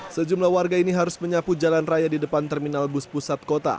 sejumlah warga ini harus menyapu jalan raya di depan terminal bus pusat kota